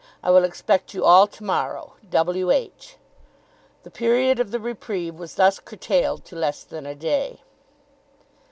I will expect you all to morrow. W. H." The period of the reprieve was thus curtailed to less than a day.